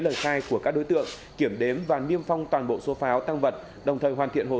lời khai của các đối tượng kiểm đếm và niêm phong toàn bộ số pháo tăng vật đồng thời hoàn thiện hồ